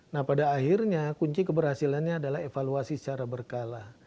nah pada akhirnya kunci keberhasilannya adalah evaluasi secara berkala